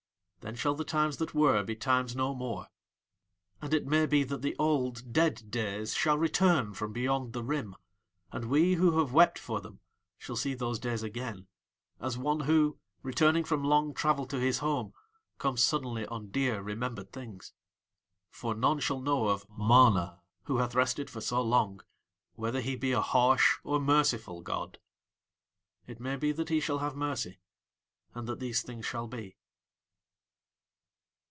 Then shall the Times that were be Times no more; and it may be that the old, dead days shall return from beyond the Rim, and we who have wept for them shall see those days again, as one who, returning from long travel to his home, comes suddenly on dear, remembered things. For none shall know of MANA who hath rested for so long, whether he be a harsh or merciful god. It may be that he shall have mercy, and that these things shall be.